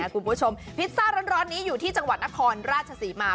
คุณผู้ชมพิซซ่าร้อนนี้อยู่ที่จังหวัดนครราชศรีมา